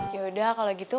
yaudah kalau gitu